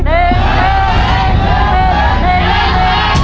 เร็ว